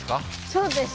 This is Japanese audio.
そうです